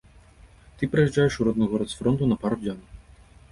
Ты прыязджаеш у родны горад з фронту на пару дзён.